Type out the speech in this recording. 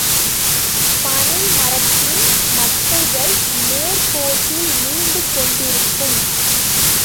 பனை மரத்தின் மட்டைகள் நேர்க் கோட்டில் நீண்டு கொண்டிருக்கும்.